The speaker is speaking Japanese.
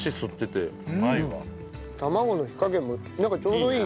卵の火加減もなんかちょうどいい感じで。